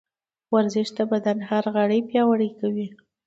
ورزش د بدن هر غړی پیاوړی کوي.